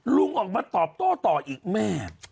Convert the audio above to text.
ลุงออกมาตอบโต้ต่ออีกแม่